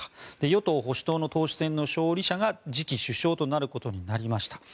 与党・保守党の党首選の勝利者が次期首相となることになりました。